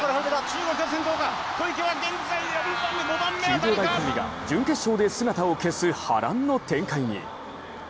９秒台コンビが準決勝で姿を消す波乱の展開に。